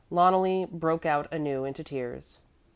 Loneli broke out anew into tears.